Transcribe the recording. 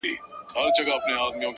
• غوږ سه ورته؛